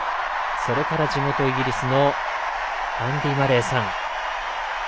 それから地元イギリスのアンディ・マレーさん。